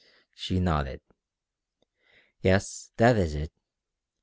She nodded. "Yes, that is it.